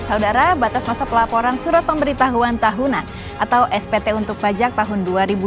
saudara batas masa pelaporan surat pemberitahuan tahunan atau spt untuk pajak tahun dua ribu dua puluh